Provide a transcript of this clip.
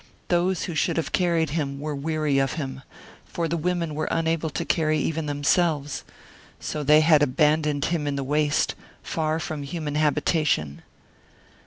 Those who should have carried him were weary of him for the women were unable to carry even them selves so they had abandoned him in the waste, far from human habitation.